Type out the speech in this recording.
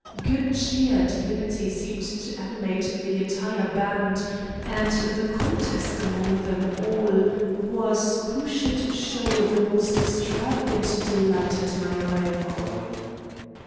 Good cheer and unity seemed to animate the entire band, and the contest among them all was who should show the most extravagant delight at my arrival.